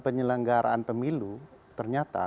penyelenggaraan pemilu ternyata